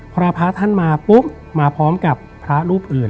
พอพระท่านมาปุ๊บมาพร้อมกับพระรูปอื่น